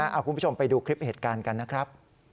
คุณผู้ชมไปดูคลิปเหตุการณ์กันนะครับ